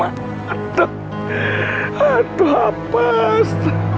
aduh apa sih